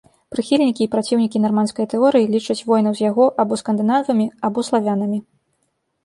Прыхільнікі і праціўнікі нарманскай тэорыі лічаць воінаў з яго або скандынавамі, або славянамі.